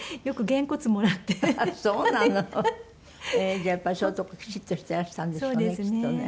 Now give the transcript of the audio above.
じゃあやっぱりそういうとこきちっとしてらしたんでしょうねきっとね。